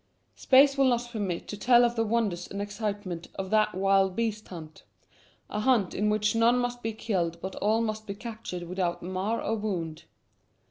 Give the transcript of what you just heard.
Space will not permit to tell of the wonders and excitement of that wild beast hunt a hunt in which none must be killed but all must be captured without mar or wound.